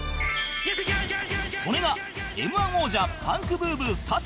それが Ｍ−１ 王者パンクブーブー佐藤